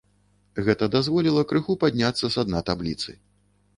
Гэта дазволіла крыху падняцца са дна табліцы.